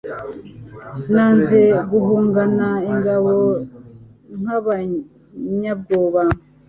nanze guhungana ingabo nk' abanyabwoba,